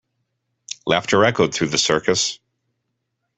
Laughter echoed through the circus.